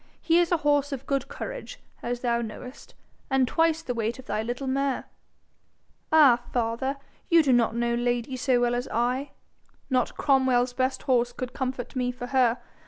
He is a horse of good courage, as thou knowest, and twice the weight of thy little mare.' 'Ah, father! you do not know Lady so well as I. Not Cromwell's best horse could comfort me for her.